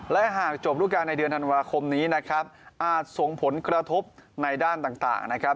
และหากจบรูปการณในเดือนธันวาคมนี้นะครับอาจส่งผลกระทบในด้านต่างนะครับ